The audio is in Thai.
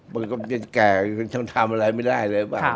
มันก็จะแก่ฉันทำอะไรไม่ได้เลยป่ะ